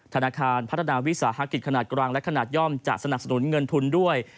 ธนาคารพัฒนาวิสาหกิจขนาดกลางและขนาดย่อมจะสนับสนุนเงินทุนด้วย